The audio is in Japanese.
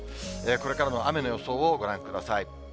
これからの雨の予想をご覧ください。